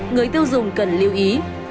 người tiêu dùng cần lưu ý